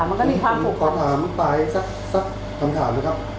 มาตั้งแต่ลูกอยู่แล้วจ้ะใช่คุณพอถามไปสักสักทำถามนะครับ